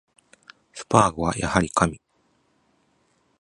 スパーゴはやはり神